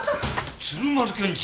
鶴丸検事。